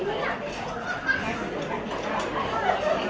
โปรดติดตามต่อไป